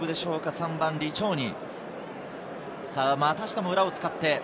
３番・リチョーニ。